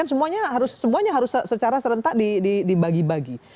semuanya harus secara serentak dibagi bagi